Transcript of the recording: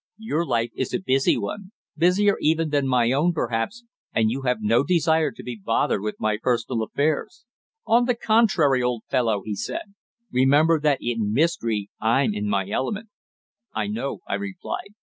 Your life is a busy one busier even than my own, perhaps and you have no desire to be bothered with my personal affairs." "On the contrary, old fellow," he said. "Remember that in mystery I'm in my element." "I know," I replied.